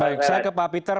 baik saya ke pak peter